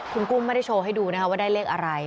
คุณกุ้งไม่ได้โชว์ให้ดูนะคะว่าได้เลขอะไร